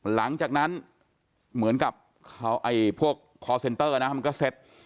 หลังจากนั้นเหมือนกับพวกคอร์เซ็นเตอร์นะมันก็เซ็ต